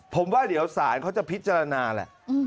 ผมว่าเดี๋ยวสารเขาจะพิจารณาแหละ